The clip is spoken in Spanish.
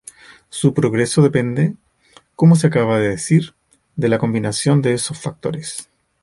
Su progreso depende, como se acaba de decir, de la combinación de esos factores.